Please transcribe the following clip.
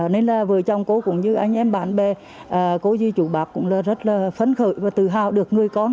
nên là vừa chồng cô cũng như anh em bạn bè cô dưới chủ bạc cũng là rất là phấn khởi và tự hào được người con